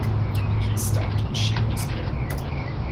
He stopped in sheer despair.